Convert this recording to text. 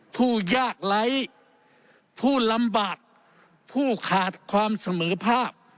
ผู้ยากไร้ผู้ลำบากผู้ขาดความเสมอภาพ